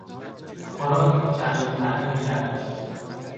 خوراک چندان تعریفی نداشت.